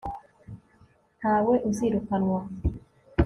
ntawe uzirukanwa